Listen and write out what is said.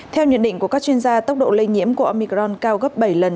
theo nhận định của các chuyên gia tốc độ lây nhiễm của omicron cao gấp bảy lần